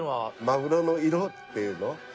まぐろの色っていうの？